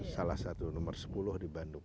salah satu nomor sepuluh di bandung